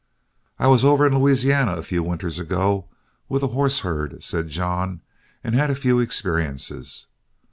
"I was over in Louisiana a few winters ago with a horse herd," said John, "and had a few experiences.